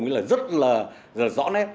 thì là rất là rõ nét